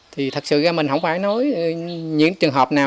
thì thật sự mình không phải nói những trường hợp nào